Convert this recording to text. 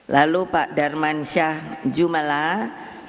lalu pak darman syah jumalah